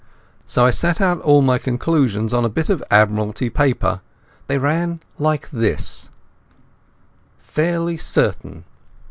So I set out all my conclusions on a bit of Admiralty paper. They ran like this: FAIRLY CERTAIN.